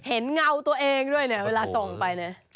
เงาตัวเองด้วยเนี่ยเวลาส่องไปเนี่ย